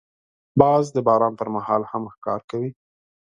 باز د باران پر مهال هم ښکار کوي